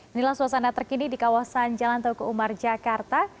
inilah suasana terkini di kawasan jalan toko umar jakarta